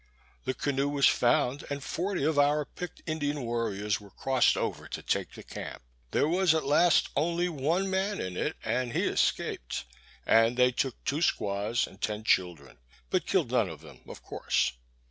The canoe was found, and forty of our picked Indian warriors were crossed over to take the camp. There was at last only one man in it, and he escaped; and they took two squaws, and ten children, but killed none of them, of course.